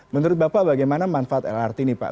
menurut bapak bagaimana manfaat lrt nih pak